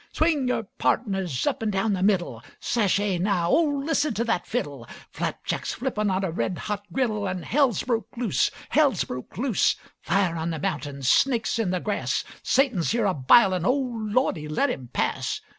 Swing yore partners up an' down the middle! Sashay now oh, listen to that fiddle! Flapjacks flippin' on a red hot griddle, An' hell's broke loose, Hell's broke loose, Fire on the mountains snakes in the grass. Satan's here a bilin' oh, Lordy, let him pass!